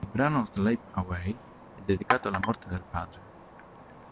Il brano "Slip Away" è dedicato alla morte del padre.